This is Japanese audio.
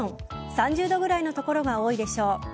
３０度くらいの所が多いでしょう。